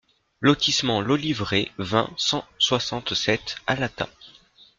Lotissement l'Oliveraie, vingt, cent soixante-sept Alata